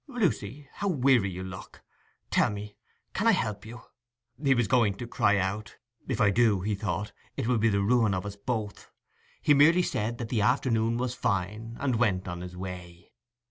'Lucy, how weary you look! tell me, can I help you?' he was going to cry out.—'If I do,' he thought, 'it will be the ruin of us both!' He merely said that the afternoon was fine, and went on his way.